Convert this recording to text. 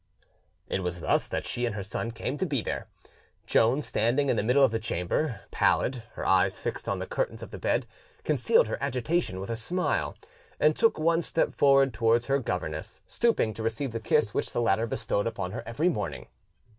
It was thus that she and her son came to be there. Joan, standing in the middle of the chamber, pallid, her eyes fixed on the curtains of the bed, concealed her agitation with a smile, and took one step forward towards her governess, stooping to receive the kiss which the latter bestowed upon her every morning.